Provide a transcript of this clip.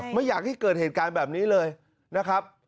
ไม่อยากให้เกิดเหตุการณ์แบบนี้เลยนะครับ